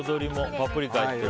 パプリカ入ってるから。